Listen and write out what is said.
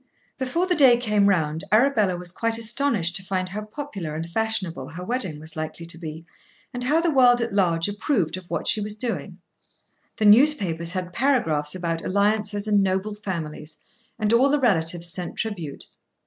Before the day came round Arabella was quite astonished to find how popular and fashionable her wedding was likely to be, and how the world at large approved of what she was doing. The newspapers had paragraphs about alliances and noble families, and all the relatives sent tribute.